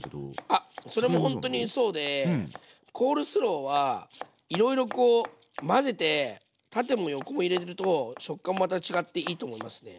あっそれもほんとにそうでコールスローはいろいろこう混ぜて縦も横も入れると食感もまた違っていいと思いますね。